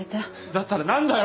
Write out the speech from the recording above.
だったら何だよ